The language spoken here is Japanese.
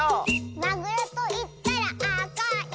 「まぐろといったらあかい！」